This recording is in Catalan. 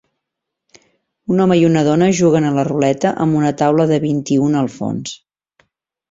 Un home i una dona juguen a la ruleta amb una taula de vint-i-una al fons.